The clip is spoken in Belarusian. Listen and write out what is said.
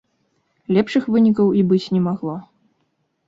Лепшых вынікаў і быць не магло.